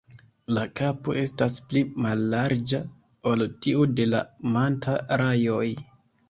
La kapo estas pli mallarĝa ol tiu de la Manta-rajoj.